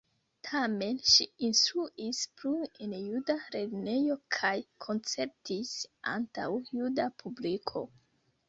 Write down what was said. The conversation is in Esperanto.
Tamen ŝi instruis plu en juda lernejo kaj koncertis antaŭ juda publiko.